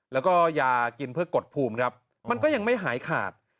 แล้วก็ยากินเพื่อกดภูมิครับมันก็ยังไม่หายขาด